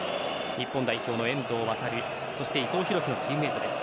日本代表の遠藤航そして伊藤洋輝とチームメートです。